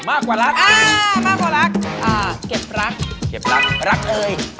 มากกว่ารักอ่ามากกว่ารักอ่าเก็บรักเก็บรักรักรักเอ่ย